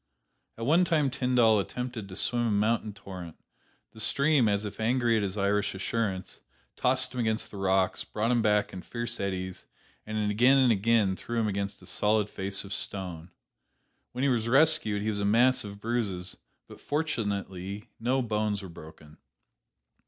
At one time Tyndall attempted to swim a mountain torrent; the stream, as if angry at his Irish assurance, tossed him against the rocks, brought him back in fierce eddies, and again and again threw him against a solid face of stone. When he was rescued he was a mass of bruises, but fortunately no bones were broken.